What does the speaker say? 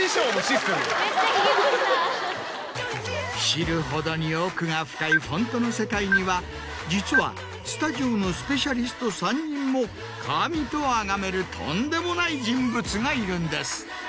知るほどに奥が深いフォントの世界には実はスタジオのスペシャリスト３人も神とあがめるとんでもない人物がいるんです。